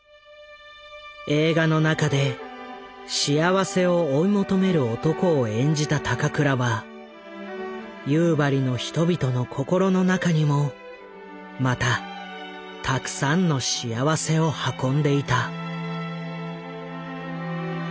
映画の中で幸せを追い求める男を演じた高倉は夕張の人々の心の中にもまたたくさんの幸せを運んでいた。